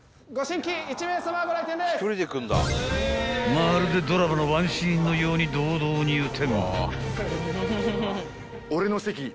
［まるでドラマのワンシーンのように堂々入店］